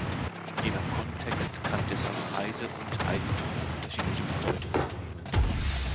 Je nach Kontext kann deshalb "Heide" und "Heidentum" unterschiedliche Bedeutung annehmen.